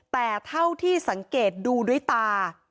แต่เท่าที่สังเกตดูด้วยตา